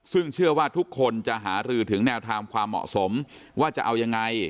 ซึ่งเชื่อว่าทุกคนจะหารือถึงแนวทางความเหมาะสมว่าจะเอายังไง